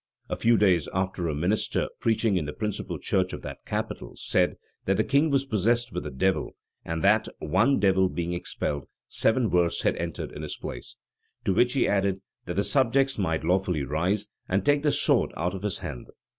[*] A few days after, a minister, preaching in the principal church of that capital, said, that the king was possessed with a devil; and that, one devil being expelled, seven worse had entered in his place.[] To which he added, that the subjects might lawfully rise, and take the sword out of his hand.